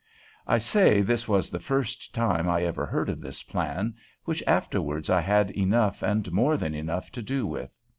I say this was the first time I ever heard of this plan, which afterwards I had enough and more than enough to do with.